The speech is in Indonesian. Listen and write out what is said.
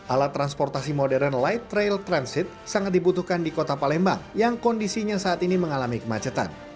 alat transportasi modern light rail transit sangat dibutuhkan di kota palembang yang kondisinya saat ini mengalami kemacetan